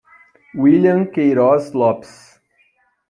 Willian Queiroz Lopes